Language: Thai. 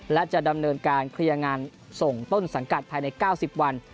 และจะดำเนินการเคลียร์งานส่งต้นสังกัดภายใน๙๐วัน